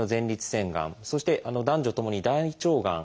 そして男女ともに大腸がん。